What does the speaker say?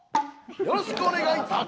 よろしくお願い。